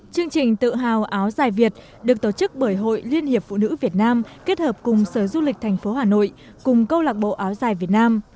chương trình tự hào áo dài việt được tổ chức bởi hội liên hiệp phụ nữ việt nam kết hợp cùng sở du lịch thành phố hà nội cùng câu lạc bộ áo dài việt nam